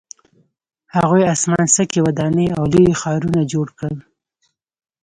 هغوی اسمان څکې ودانۍ او لوی ښارونه جوړ کړل